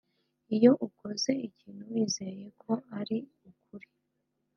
iyo ukoze ikintu wizeye ko ari ukuri